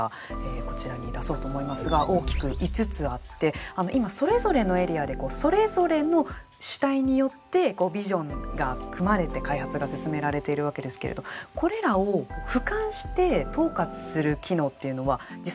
こちらに出そうと思いますが大きく５つあって今それぞれのエリアでそれぞれの主体によってビジョンが組まれて開発が進められているわけですけれどこれらをふかんして統括する機能というのは実際、働いているんですか。